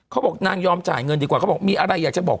เขาบอกนางยอมจ่ายเงินดีกว่าเขาบอกมีอะไรอยากจะบอก